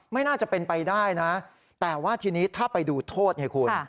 ไม่น่าจะเป็นไปได้นะแต่ว่าทีนี้ถ้าไปดูโทษไงคุณ